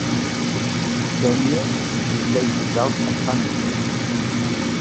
Sami yella yezdeɣ deg uxxam-nni.